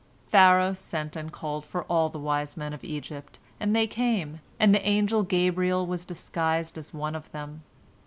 Pharaoh sent and called for all the wise men of Egypt, and they came, and the angel Gabriel was disguised as one of them.